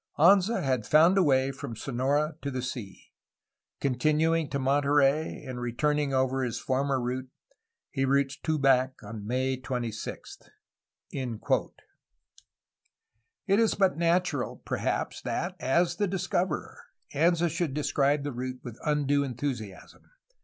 Anza had found a way from Sonora to the sea. Continuing to Monterey, and returning over his former route, he reached Tubac on May 26.'' It is but natural, perhaps, that, as the discoverer, Anza should describe the route with undue enthusiasm.